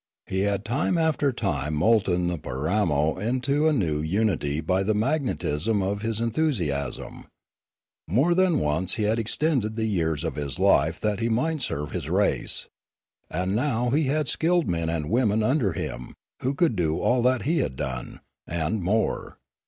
He had time after time molten the Piramo into a new unity by the magnetism of his enthusiasm. More than once he had extended the years of his life that he might serve his race. And now he had skilled men and women under him, who could do all that he had done, and more.